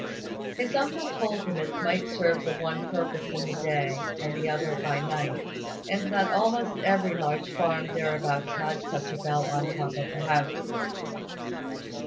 His uncle told him it might serve the one purpose in the day, and the other by night; and that almost every large farm thereabouts had such a bell on the top of the house.